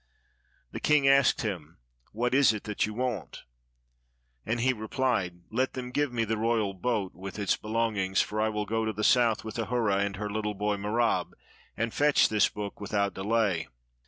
The king asked him, "What is it that you want?" And he re plied, "Let them give me the royal boat with its be longings, for I will go to the south with Ahura and her little boy Merab, and fetch this book without delay."